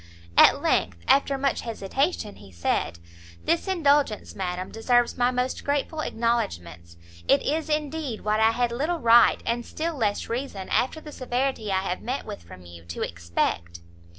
At length, after much hesitation, he said "This indulgence, madam, deserves my most grateful acknowledgments; it is, indeed, what I had little right, and still less reason, after the severity I have met with from you, to expect."